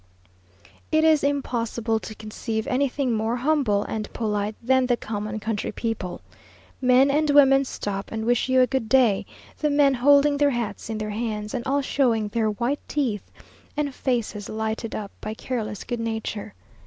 _ It is impossible to conceive anything more humble and polite than the common country people. Men and women stop and wish you a good day, the men holding their hats in their hands, and all showing their white teeth, and faces lighted up by careless good nature.